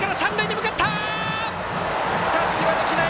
タッチはできない！